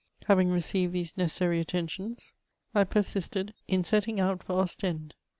Having received these necessary attentions, I persisted in setting out for Ostend.